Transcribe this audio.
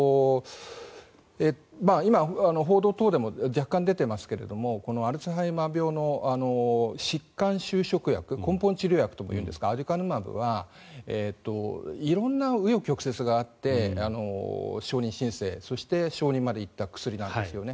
今、報道等でも若干出ていますがこのアルツハイマーの疾患収縮薬根本治療薬ともいうんですがアデュカヌマブは色んな紆余曲折があって承認申請そして、承認まで行った薬なんですよね。